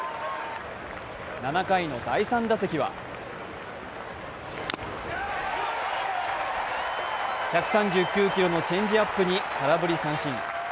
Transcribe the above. ７回の第３打席は１３９キロのチェンジアップに空振り三振。